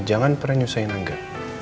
jangan pernah nyusahin angga